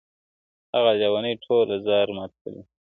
هغه ليوني ټوله زار مات کړی دی,